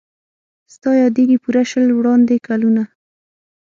ستا یادیږي پوره شل وړاندي کلونه